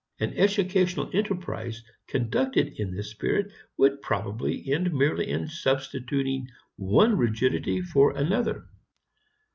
An educational enterprise conducted in this spirit would probably end merely in substituting one rigidity for another.